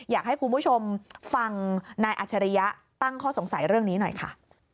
อยากให้คุณผู้ชมฟังนายอัจฉริยะตั้งข้อสงสัยเรื่องนี้หน่อยค่ะ